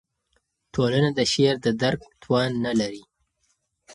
ټولنه د شعر د درک توان نه لري.